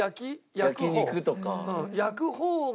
焼き肉とか。